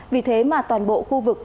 vì thế mà toàn bộ khu vực